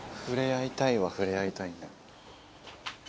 触れ合いたいは触れ合いたいんだ。